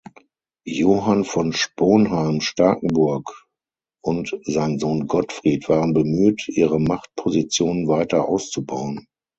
Johann von Sponheim-Starkenburg und sein Sohn Gottfried waren bemüht ihre Machtposition weiter auszubauen.